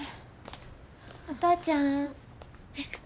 お父ちゃん？え。